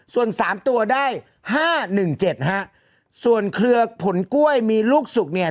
ส่วนสามตัวได้ห้าหนึ่งเจ็ดฮะส่วนเครือผลกล้วยมีลูกสุกเนี่ย